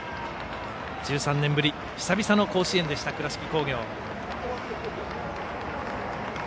１３年ぶり久々の甲子園でした倉敷工業。